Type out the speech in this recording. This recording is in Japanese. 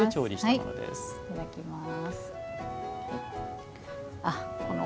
いただきます。